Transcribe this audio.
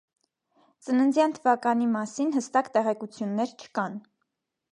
Ծննդյան թվականի մասին հստակ տեղեկություններ չկան։